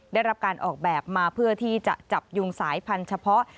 ได้รับการออกแบบมาเพื่อที่จะจับยุงสายพันธุ์เฉพาะ